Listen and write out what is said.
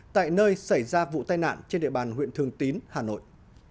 tại nơi xảy ra vụ tai nạn trên địa bàn huyện thường tín hà nội